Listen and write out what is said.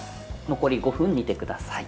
残り５分煮てください。